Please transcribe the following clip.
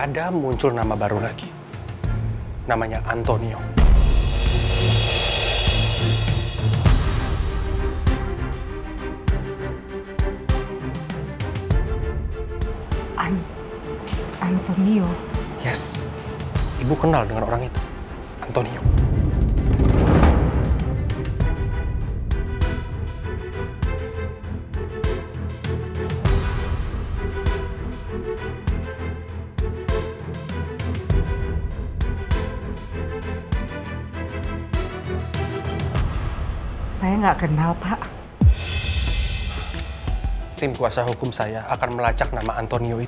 salah satu blognya yang dikasih ibu suku hama